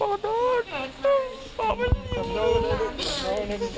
แอมขึ้นเครงนะลูก